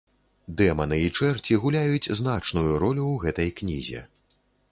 Дэманы і чэрці гуляюць значную ролю ў гэтай кнізе.